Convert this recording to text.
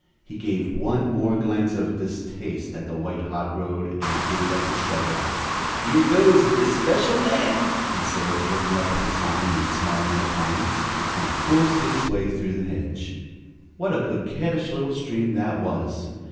He gave one more glance of distaste at the white hot road and gave up the struggle. "Here goes the 'especial man,'" he said, looking up at the sign in smiling defiance, and forced his way through the hedge. What a coquettish little stream that was!